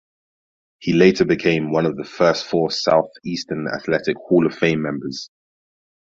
He later became one of the first four Southeastern Athletic Hall of Fame members.